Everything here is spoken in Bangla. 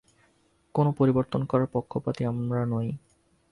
কোন পরিবর্তন করবার পক্ষপাতী আমরা নই।